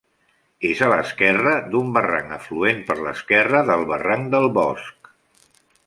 És a l'esquerra d'un barranc afluent per l'esquerra del barranc del Bosc.